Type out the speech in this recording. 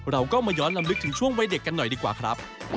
เราก็มาย้อนลำลึกถึงช่วงวัยเด็กกันหน่อยดีกว่าครับ